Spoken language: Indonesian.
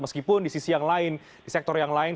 meskipun di sisi yang lain di sektor yang lain